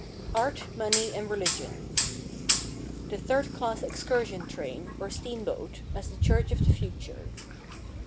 Art, Money and Religion. The Third Class Excursion Train, or Steam boat, as the Church of the Future.